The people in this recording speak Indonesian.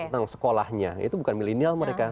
tentang sekolahnya itu bukan milenial mereka